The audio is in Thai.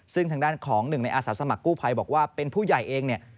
ซึ่งทางด้านของหนึ่งในอาสาสมัครกู้ภัยบอกว่าเป็นผู้ใหญ่เองเนี่ย